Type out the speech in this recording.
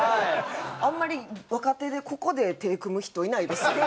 あんまり若手でここで手組む人いないですよね。